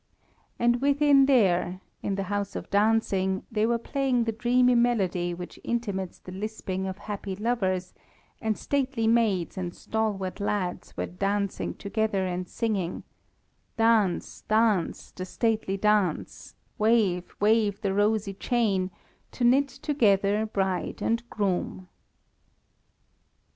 And within there, in the house of dancing, they were playing the dreamy melody which imitates the lisping of happy lovers, and stately maids and stalwart lads were dancing together and singing: "Dance, dance, the stately dance, Wave, wave the rosy chain, To knit together bride and groom."